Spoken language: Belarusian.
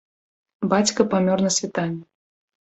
Бацька памёр на світанні.